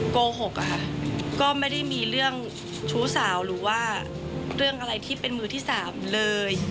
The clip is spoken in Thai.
โกหกอะค่ะก็ไม่ได้มีเรื่องชู้สาวหรือว่าเรื่องอะไรที่เป็นมือที่สามเลย